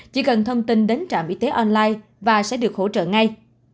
chỉ cần thông tin đến trạm y tế online và sẽ được hỗ trợ ngay